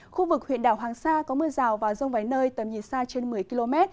khu vực huyện đảo hoàng sa có mưa rào và rông vài nơi tầm nhìn xa trên một mươi km